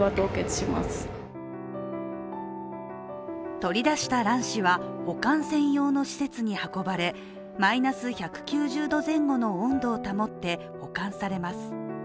取り出した卵子は保管専用の施設に運ばれマイナス１９０度前後の温度を保って保管されます。